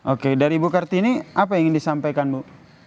oke dari ibu kartini apa yang ingin disampaikan bu